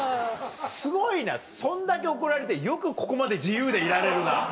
すごいなそんだけ怒られてよくここまで自由でいられるな。